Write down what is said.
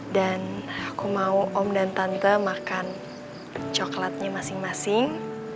dan aku mau om dan tante makan coklatnya masing masing